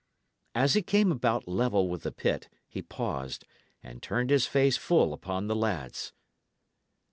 As he came about level with the pit, he paused, and turned his face full upon the lads.